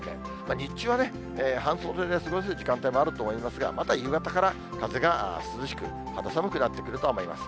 日中はね、半袖で過ごす時間帯もあると思いますが、また夕方から風が涼しく、肌寒くなってくると思います。